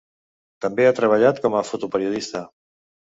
També ha treballat com a fotoperiodista.